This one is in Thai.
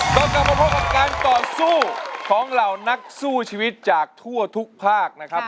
ก็กลับมาพบกับการต่อสู้ของเหล่านักสู้ชีวิตจากทั่วทุกภาคนะครับ